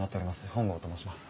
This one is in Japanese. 本郷と申します。